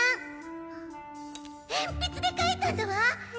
鉛筆で書いたんだわ！